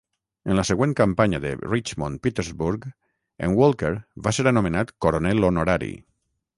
En la següent campanya de Richmond-Petersburg, en Walker va ser anomenat coronel honorari.